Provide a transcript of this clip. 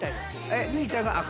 え兄ちゃんが赤？